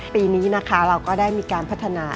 ปีนี้นะคะเราก็ได้มีการพัฒนา